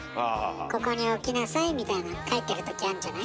ここに置きなさいみたいなの書いてるときあんじゃない。